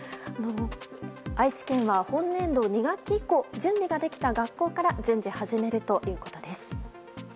愛知県は本年度２学期以降準備ができた学校から順次始めるということです。